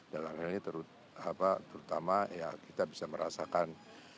dalam hal ini terutama ya kita bisa merasakan